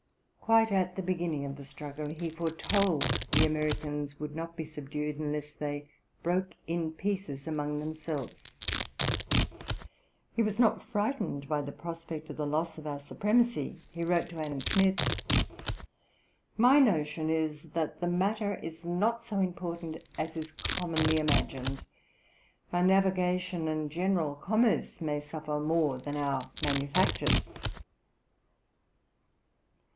Ib. p. 477. Quite at the beginning of the struggle he foretold that the Americans would not be subdued, unless they broke in pieces among themselves. Ib. p. 482. He was not frightened by the prospect of the loss of our supremacy. He wrote to Adam Smith: 'My notion is that the matter is not so important as is commonly imagined. Our navigation and general commerce may suffer more than our manufactures.'